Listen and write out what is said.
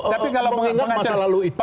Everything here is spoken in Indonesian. tapi kalau mengenal masa lalu itu